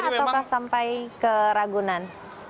atau sampai ke ragunan